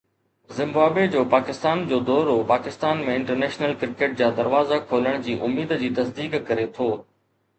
Zimbabwe جو پاڪستان جو دورو پاڪستان ۾ انٽرنيشنل ڪرڪيٽ جا دروازا کولڻ جي اميد جي تصديق ڪري ٿو